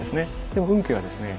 でも運慶はですね